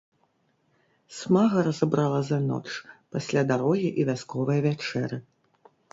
Смага разабрала за ноч, пасля дарогі і вясковае вячэры.